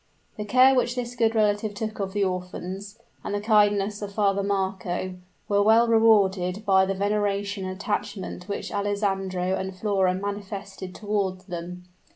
The care which this good relative took of the orphans, and the kindness of Father Marco, were well rewarded by the veneration and attachment which Alessandro and Flora manifested toward them.